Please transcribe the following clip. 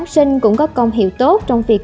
sinh cũng có công hiệu tốt trong việc